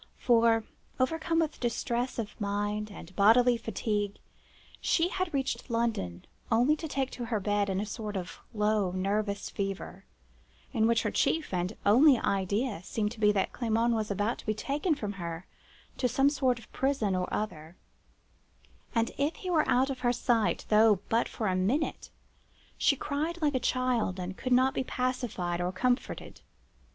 For, overcome with distress of mind and bodily fatigue, she had reached London only to take to her bed in a sort of low, nervous fever, in which her chief and only idea seemed to be that Clement was about to be taken from her to some prison or other; and if he were out of her sight, though but for a minute, she cried like a child, and could not be pacified or comforted.